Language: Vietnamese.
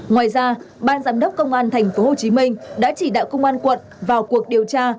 ngoài ra ban giám đốc công an tp hcm đã chỉ đạo công an quận vào cuộc điều tra